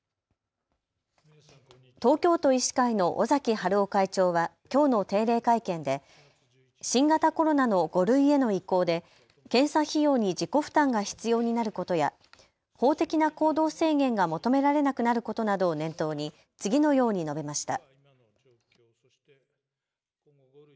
東京都医師会の尾崎治夫会長はきょうの定例会見で新型コロナの５類への移行で検査費用に自己負担が必要になることや法的な行動制限が求められなくなることなどを念頭に次のように述べました。